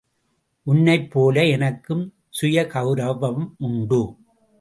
உன்னைப் போல எனக்கும் சுயகவுரவம் உண்டு.